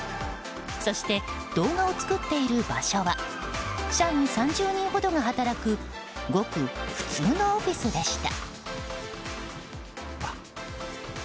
そして動画を作っている場所は社員３０人ほどが働くごく普通のオフィスでした。